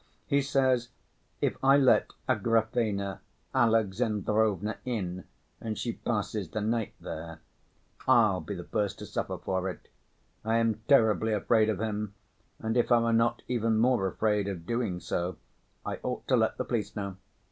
He says if I let Agrafena Alexandrovna in and she passes the night there, I'll be the first to suffer for it. I am terribly afraid of him, and if I were not even more afraid of doing so, I ought to let the police know.